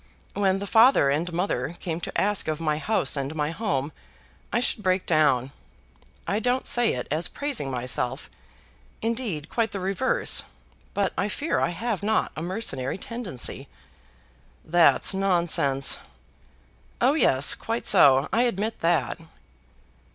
"When the father and mother came to ask of my house and my home I should break down. I don't say it as praising myself; indeed, quite the reverse; but I fear I have not a mercenary tendency." "That's nonsense." "Oh, yes; quite so. I admit that."